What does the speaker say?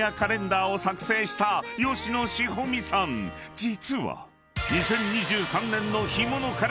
［実は］